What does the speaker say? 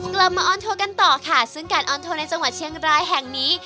กลับมาออนโทรกันต่อค่ะซึ่งการออนโทรในจังหวัดเชียงรายแห่งนี้